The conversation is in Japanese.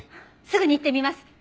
すぐに行ってみます。